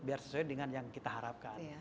biar sesuai dengan yang kita harapkan